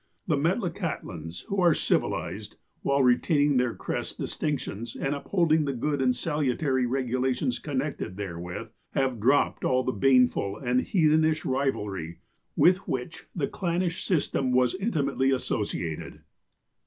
The Metlakahtlans, who are civilized, while retaining their crest dis tinctions, and upholding the good and salutary regulations connected tlierewith, have dropped all the baneful and heathen ish rivalry, with which the clannish system was intimately asso ciated."